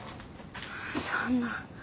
そんな。